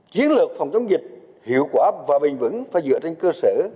chiến lược phòng chống dịch hiệu quả và bình vững phải dựa trên cơ sở